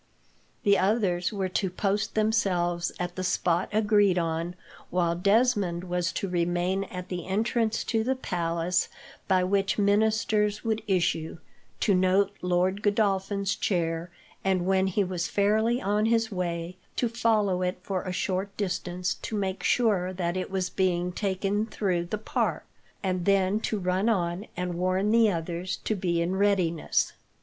The others were to post themselves at the spot agreed on, while Desmond was to remain at the entrance to the palace by which ministers would issue, to note Lord Godolphin's chair, and, when he was fairly on his way, to follow it for a short distance to make sure that it was being taken through the park, and then to run on and warn the others to be in readiness.